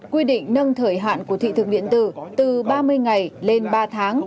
quy định nâng thời hạn của thị thực điện tử từ ba mươi ngày lên ba tháng